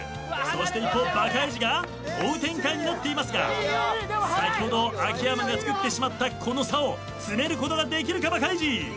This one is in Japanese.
そして一方バカイジが追う展開になっていますが先ほど秋山がつくってしまったこの差を詰めることができるかバカイジ。